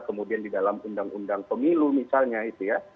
kemudian di dalam undang undang pemilu misalnya itu ya